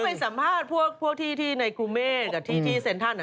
เข้าไปสัมภาษณ์พวกที่ในกรุเมสกับที่ที่เซ็นทัน